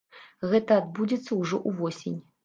Гэта адбудзецца ўжо ўвосень.